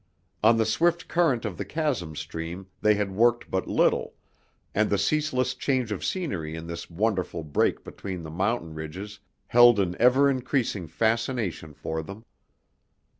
On the swift current of the chasm stream they had worked but little, and the ceaseless change of scenery in this wonderful break between the mountain ridges held an ever increasing fascination for them.